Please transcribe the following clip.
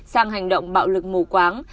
sang hành động bạo lực mù quáng